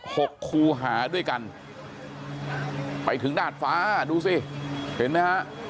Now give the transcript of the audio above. หกคูหาด้วยกันไปถึงดาดฟ้าดูสิเห็นไหมฮะ